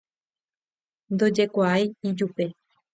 ndojekuaái ijupe